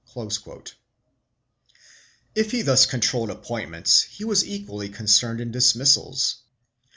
1 If he thus controlled appointments he was equally concerned in dismissals.